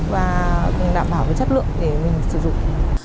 và đảm bảo về chất lượng để mình sử dụng